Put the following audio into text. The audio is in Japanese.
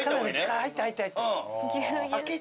１回入って入って。